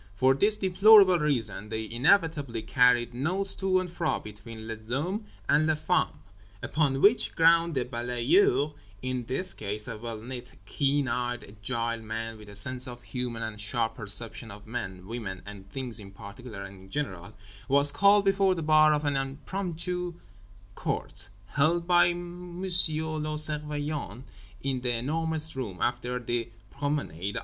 For this deplorable reason they inevitably carried notes to and fro between les hommes and les femmes. Upon which ground the balayeur in this case—a well knit keen eyed agile man, with a sense of humour and sharp perception of men, women and things in particular and in general—was called before the bar of an impromptu court, held by M. le Surveillant in The Enormous Room after the promenade.